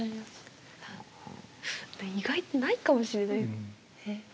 意外とないかもしれない。